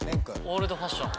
オールドファッション。